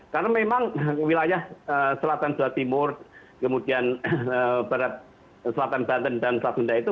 karena memang wilayah selatan selatan timur kemudian barat selatan banten dan selatan sunda itu